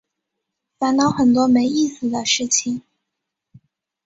烦恼很多没意思的事情